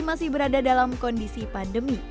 masih berada dalam kondisi pandemi